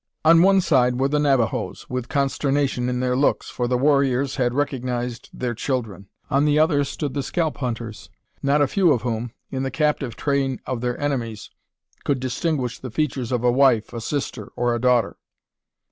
On one side were the Navajoes, with consternation in their looks, for the warriors had recognised their children. On the other stood the scalp hunters, not a few of whom, in the captive train of their enemies, could distinguish the features of a wife, a sister, or a daughter.